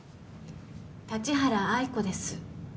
立原愛子です。